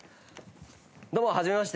どうもはじめまして。